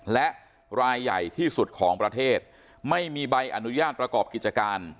และรายใหญ่ที่สุดของประเทศไม่มีใบอนุญาตประกอบกิจการ